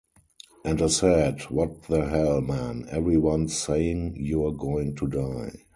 And I said, what the hell, man, everyone's saying you're going to die.